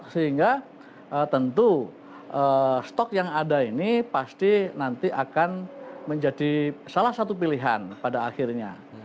sehingga tentu stok yang ada ini pasti nanti akan menjadi salah satu pilihan pada akhirnya